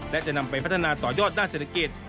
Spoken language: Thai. และจะนำไปพัฒนาต่อยอดด้านเศรษฐกิจ